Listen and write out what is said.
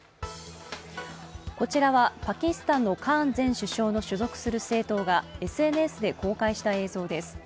こちらはパキスタンのカーン前首相の所属する政党がＳＮＳで公開した映像です。